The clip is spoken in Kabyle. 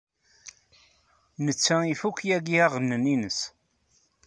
Netta ifuk yagi aɣanen-nnes.